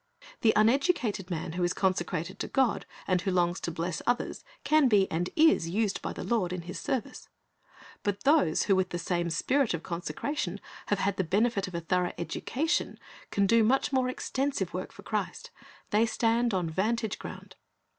The uneducated man who is consecrated to God and who longs to bless others can be, and is, used by the Lord in His service. But those who, with the same spirit of consecration, have had the benefit of a thorough education, can do a much more extensive work for Christ. They stand on vantage ground.